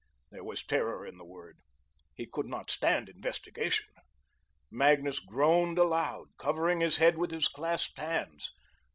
There was terror in the word. He could not stand investigation. Magnus groaned aloud, covering his head with his clasped hands.